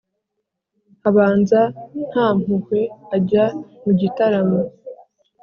habanza ntampuhwe ajya mu gitaramo,